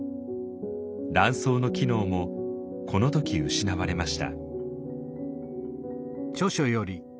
卵巣の機能もこの時失われました。